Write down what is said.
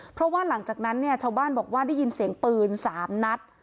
เพราะว่าหลังจากนั้นเนี่ยชาวบ้านบอกว่าได้ยินเสียงปืน๓นัด